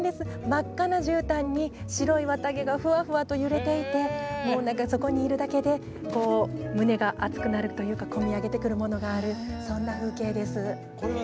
真っ赤なじゅうたんに白い綿毛がふわふわと揺れていてそこにいるだけで胸が熱くなるというか込み上げてくるものがあるそんな風景です。